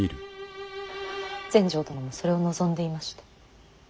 全成殿もそれを望んでいました。